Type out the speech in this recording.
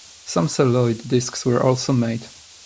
Some celluloid discs were also made.